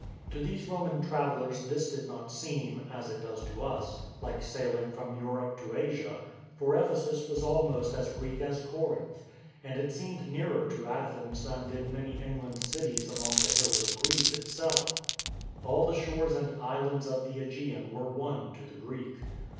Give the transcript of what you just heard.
To these Roman travel lers this did not seem (as it does to us) like saihng from Europe to Asia; for Ephesus was almost as "LONE ON THE LAND" 237 Greek as Corinth, and it seemed nearer to Athens than did many inland cities among the hills of Greece itself. All the shores and islands of the ^gean were one to the Greek.